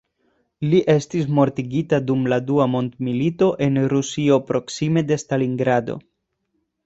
Li estis mortigita dum la Dua mondmilito en Rusio proksime de Stalingrado.